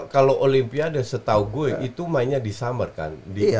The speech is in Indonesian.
kalau olimpiade setahu gue itu mainnya di summer kan